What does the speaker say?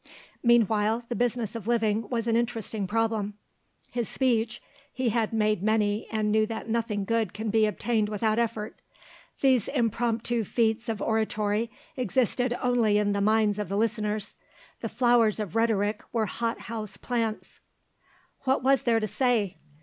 Meanwhile the business of living was an interesting problem. His speech, he had made many and knew that nothing good can be obtained without effort. These impromptu feats of oratory existed only in the minds of the listeners; the flowers of rhetoric were hothouse plants. What was there to say?